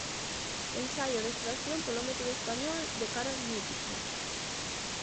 Ensaio de extracción polo método español de "caras múltiples".